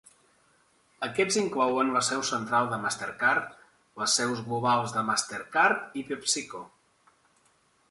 Aquests inclouen la seu central de MasterCard, les seus globals de MasterCard i PepsiCo.